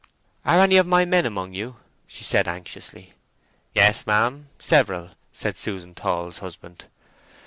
"Are any of my men among you?" she said anxiously. "Yes, ma'am, several," said Susan Tall's husband.